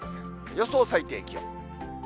予想最低気温。